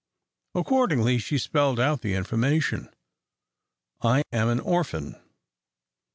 Accordingly, she spelled out the information, "I am an orphan."